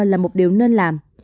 là một điều nên làm